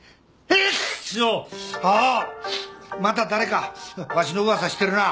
ハァまた誰かわしの噂してるな。